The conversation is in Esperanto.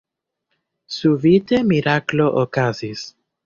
Subite miraklo okazis.